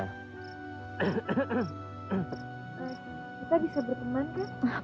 kita bisa berteman kan